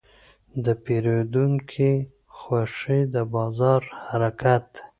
د پیرودونکي خوښي د بازار حرکت دی.